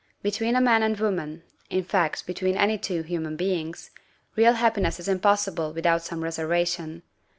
Between a man and woman in fact, between any two human beings real happiness is impossible without some reservation.